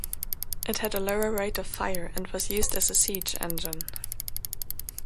It had a lower rate of fire and was used as a siege engine.